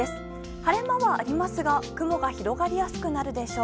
晴れ間はありますが雲が広がりやすくなるでしょう。